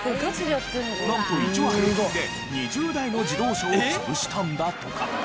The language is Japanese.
なんと１話平均で２０台の自動車を潰したんだとか。